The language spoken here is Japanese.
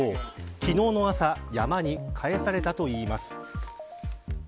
昨日の朝山にかえされたといいます。